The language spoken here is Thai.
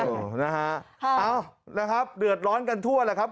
โอ้โหนะฮะเอ้านะครับเดือดร้อนกันทั่วแหละครับ